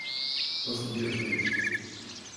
То си био ти.